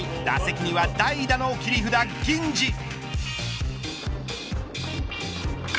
打席には代打の切り札、銀次。